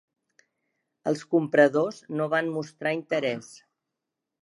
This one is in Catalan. Els compradors no van mostrar interès.